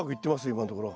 今のところ。